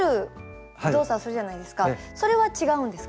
それは違うんですか？